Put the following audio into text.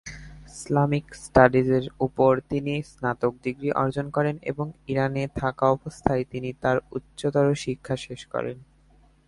Islamic স্টাডিজের উপর তিনি স্নাতক ডিগ্রী অর্জন করেন এবং ইরানে থাকা অবস্থায় তিনি তার উচ্চতর শিক্ষা শেষ করেন।